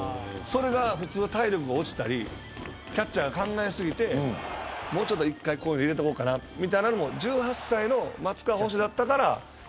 普通は体力が落ちたりキャッチャーが考えすぎて１回こういうの入れておこうみたいなのを１８歳の松川捕手だったから。